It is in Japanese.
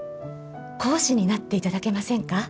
講師になっていただけませんか？